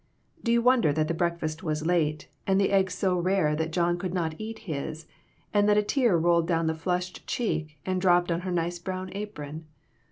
Do you wonder that the breakfast was late, and the eggs so rare that John could not eat his, and that a tear rolled down the flushed cheek, and dropped on her nice brown apron